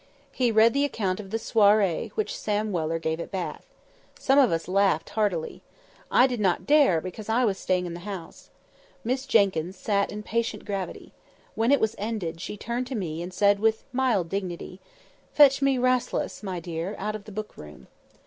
He read the account of the "swarry" which Sam Weller gave at Bath. Some of us laughed heartily. I did not dare, because I was staying in the house. Miss Jenkyns sat in patient gravity. When it was ended, she turned to me, and said with mild dignity— "Fetch me 'Rasselas,' my dear, out of the book room."